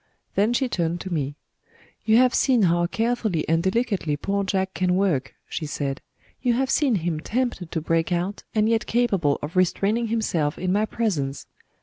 Then she turned to me. 'You have seen how carefully and delicately poor Jack can work,' she said; 'you have seen him tempted to break out, and yet capable of restraining himself in my presence.